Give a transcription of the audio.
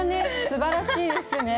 すばらしいですね。